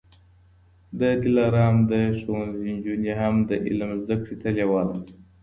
د دلارام د ښوونځیو نجوني هم د علم زده کړې ته لېواله دي.